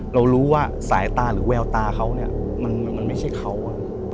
เรารู้ว่าสายตาหรือแววตาเขาเนี่ยมันไม่ใช่เขา